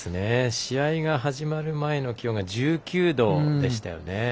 試合が始まる前の気温が１９度でしたよね。